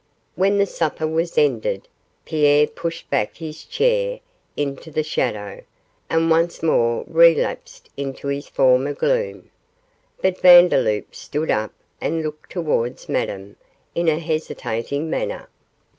When the supper was ended, Pierre pushed back his chair into the shadow and once more relapsed into his former gloom, but Vandeloup stood up and looked towards Madame in a hesitating manner.